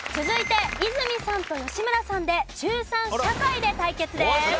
続いて和泉さんと吉村さんで中３社会で対決です。